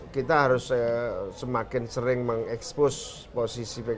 kita harus semakin sering mengekspos posisi pks